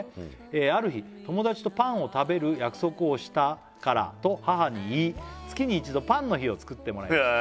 「ある日友達とパンを食べる約束をしたからと母に言い」「月に一度パンの日を作ってもらいました」